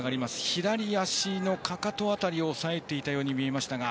左足のかかと辺りを押さえていたように見えました。